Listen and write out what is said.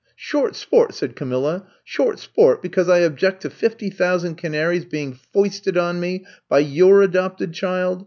'' Short sport!'* said Camilla. Short sport because I object to fifty thousand canaries being foisted on me by your adopted child.